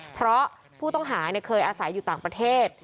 เพราะผู้ต้องหาเคยอาศัยอยู่ต่างประเทศ